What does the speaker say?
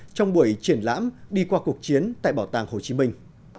trong buổi triển lãm đi qua cuộc chiến tại bảo tàng hồ chí minh